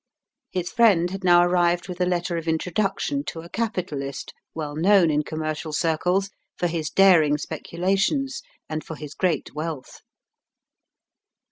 His friend had now arrived with a letter of introduction to a capitalist, well known in commercial circles for his daring speculations and for his great wealth.